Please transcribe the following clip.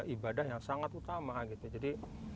ibadah yang sangat utama gitu jadi